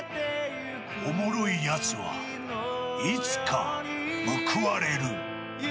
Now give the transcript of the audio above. おもろい奴はいつか報われる。